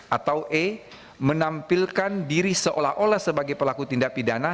atau e menampilkan diri seolah olah sebagai pelaku tindak pidana